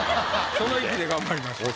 その意気で頑張りましょう。